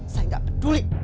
saya gak peduli